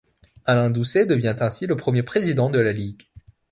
Alain Doucet devient ainsi le premier président de la ligue.